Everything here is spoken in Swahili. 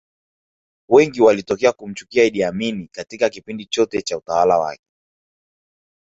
Wengi walitokea kumchukia Idd Amin Katika kipindi chote Cha utawala wake